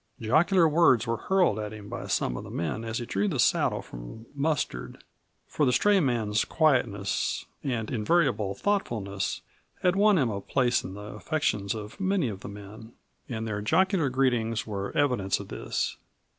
Jocular words were hurled at him by some of the men as he drew the saddle from Mustard, for the stray man's quietness and invariable thoughtfulness had won him a place in the affections of many of the men, and their jocular greetings were evidence of this.